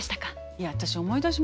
いや私思い出しました。